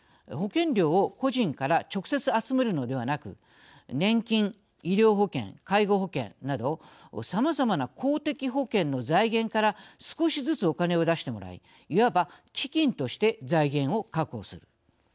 保険料を個人から直接集めるのではなく年金医療保険介護保険などさまざまな公的保険の財源から少しずつお金を出してもらいいわば基金として財源を確保する。